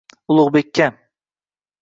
Ulug’bekka